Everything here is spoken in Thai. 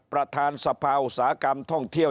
ประธานสะพาวสากรามท่องเที่ยว